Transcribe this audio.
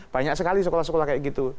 banyak sekali sekolah sekolah kayak gitu